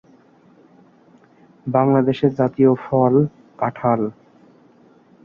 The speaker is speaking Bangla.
ক্যারিবিয়ান সার্ভিসের শুরুরদিকে ধারাভাষ্যকারের ভূমিকায় অবতীর্ণ হয়েছিলেন।